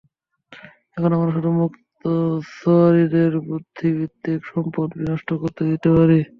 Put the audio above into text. এখন আমরা শুধু মুক্ত সওয়ারিদের বুদ্ধিবৃত্তিক সম্পদ বিনষ্ট করতে দিতে পারি।